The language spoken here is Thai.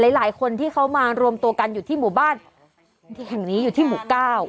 หลายคนที่เขามารวมตัวกันอยู่ที่หมู่บ้านแห่งนี้อยู่ที่หมู่เก้า